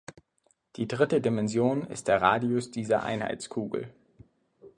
Die dritte Dimension ist der Radius dieser Einheitskugel.